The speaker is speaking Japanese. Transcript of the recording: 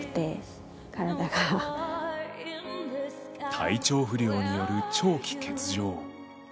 体調不良による長期欠場。